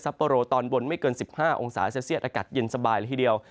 โปรตอนบนไม่เกิน๑๕องศาเซลเซียตอากาศเย็นสบายเลยทีเดียว